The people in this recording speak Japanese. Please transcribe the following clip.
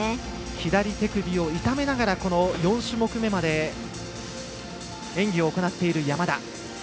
左手首を痛めながらこの４種目めまで演技を行っている山田。